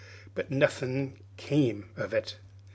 But nothin' come of it.